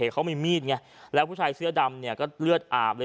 ขึ้นก็อายุ